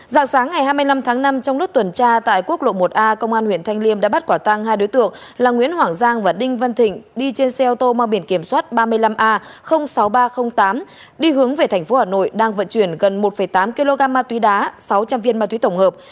dạng sáng ngày hai mươi năm tháng năm trong lúc tuần tra tại quốc lộ một a công an huyện thanh liêm đã bắt quả tăng hai đối tượng là nguyễn hoàng giang và đinh văn thịnh đi trên xe ô tô mang biển kiểm soát ba mươi năm a sáu nghìn ba trăm linh tám đi hướng về tp hà nội đang vận chuyển gần một tám kg ma túy đá sáu trăm linh viên ma túy tổng hợp